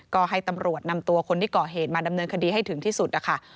ก็ให้ตำรวจนำตัวคนที่ก่อเหตุมาดำเนินคดีให้ถึงที่สุดนะคะ